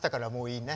いいね。